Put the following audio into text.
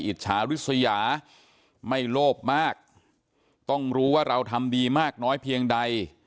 อิจฉาริสยาไม่โลภมากต้องรู้ว่าเราทำดีมากน้อยเพียงใด